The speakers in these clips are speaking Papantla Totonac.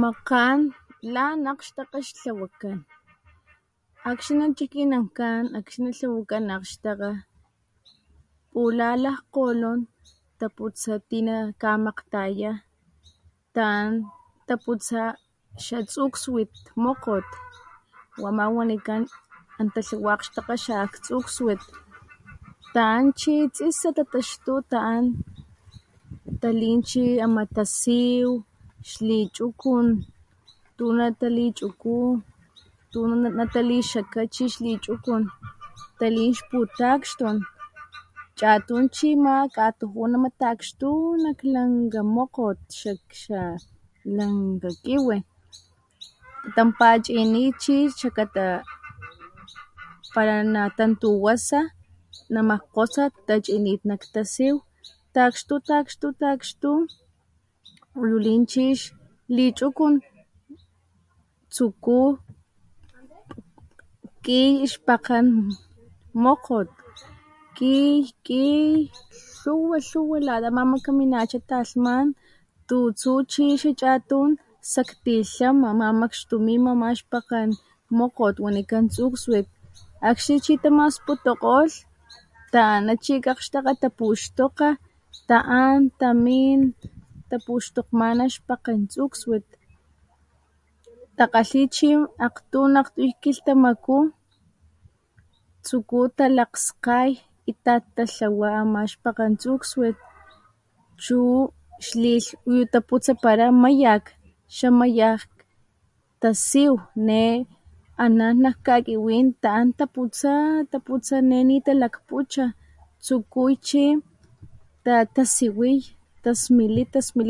Makgan lan akgxtakga xtlawakan akxni chikinankan akxni tlawakan akgxtakga pula lakgolon taputsa ti nakamakgtaya ta´an taputsa xatsukswet mokgot wama wanikan ta´an chi tsisa tataxtu ta´an talin chi tasiw, lichukun tu nalichuku natalixaka chi xtachukun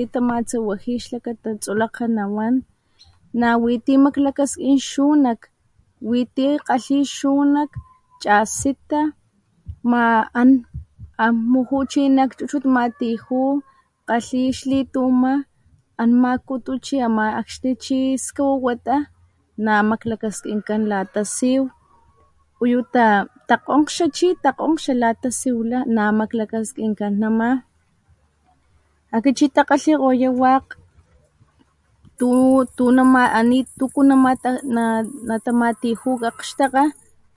talin xputakxtun chatun chi ama katujun ama takxtu nak lanka mokgot xalanka kiwi tatanpachinit chi xlakata pala natatantuwasa namakgkgosa tachinit chi nak tasiw takxtu, takxtu, takxtu uyu lin chi xlichukun tsuku kiy xpakgen mokgot kiy kiy lhuwa lhuwa lata makaminacha talhman tustu chi xachatun saktilha mamakxtumima ama xpakgen mokgot wanikan tsukswet akxni chi masputukgolh taana chi nak akgxtakga tapuxtokga taan tamin tapuxtokgmana xpakgen tsukswet takgalhi chi akgtun, akgtuy kilhtamaku tsuku talakgskgay itat tatlawa ama xpakgen tsukswet chu uyu taputsapara mayak, xamayak tasiw ne anan nak kakiwin taan taputsa taputsa ne nitalakpucha tsukuy chi tasiwiy tasmiliy tasmiliy tamatsawaji xlakata tsolekga nawan na wi ti maklakaskin xunak witi kgalhi xunak chasita an muju nak chuchut matiju kgalhi xli tuma an makutu chi akxni chi skawawata namaklakaskinkan latasiw uyu takgonxa, takgonxa la tasiw la maklakaskinkan nama akxni takgalhikgoya wakg tu natamatijuy nak akgxtakga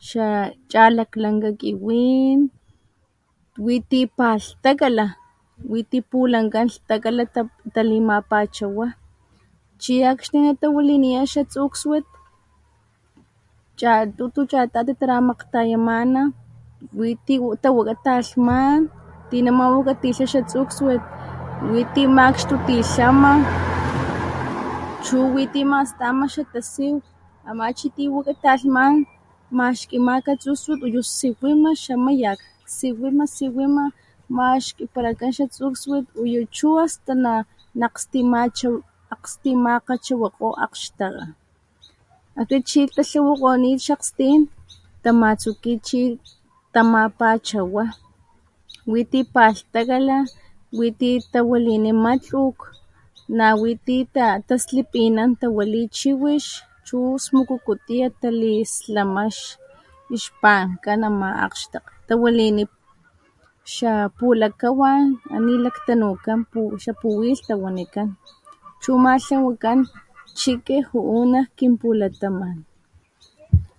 xachalaklanka kiwin, witi palhtakala, witi pulankan lhtakala talimapachawa chi akxni natawaliniya xatsukswet chatutu, chatati talamakgtayamana witi tawaka talhman ti namawakatilha xatsukswet witi makxtutitlama chu witi mastama xatasiw ama chi tiwaka talhman maxkimaka tsukswet uyu siwima xamayak, siwima, siwima maxkipalakan xatsukswet uyu chu naakstimakgachawakgoy akxtakga akxni chi tatlawakgonit xaskgtin tamatsuki chi tamapachawa witi palhtakala, witi tawalini matluk, nawi ti taslipinan tawali chiwix chu smukuku tiyat talislama xpankan a ma akgxtakga tawalini xapulakawan , ananilaktanukan xapuwilhta chu ama tlwakan chiki juu nak kinpulataman